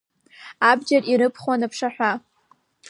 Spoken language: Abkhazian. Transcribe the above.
Абџьар иарыԥхуан аԥшаҳәа.